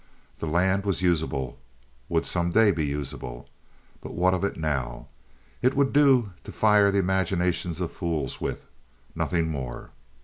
The land was usable—would some day be usable. But what of it now? It would do to fire the imaginations of fools with—nothing more.